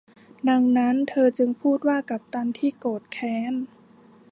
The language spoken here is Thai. ดังนั้นเธอจึงพูดว่ากัปตันที่โกรธแค้น